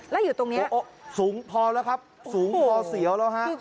แล้วอยู่ตรงนี้สูงพอแล้วครับสูงพอเสียวแล้วฮะ